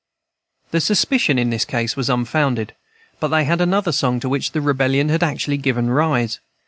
The suspicion in this case was unfounded, but they had another song to which the Rebellion had actually given rise.